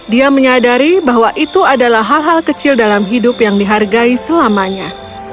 dia menyadari bahwa itu adalah hal hal kecil dalam hidup yang dihargai selamanya